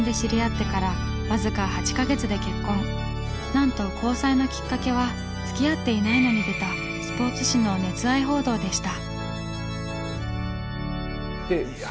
なんと交際のきっかけは付き合っていないのに出たスポーツ紙の熱愛報道でした。